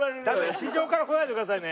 地上から来ないでくださいね。